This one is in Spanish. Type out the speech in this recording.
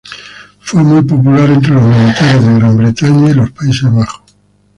Fue muy popular entre los militares de Gran Bretaña y los Países Bajos.